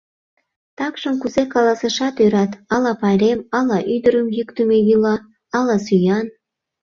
Такшым кузе каласашат ӧрат: ала пайрем, ала ӱдырым йӱктымӧ йӱла, ала сӱан.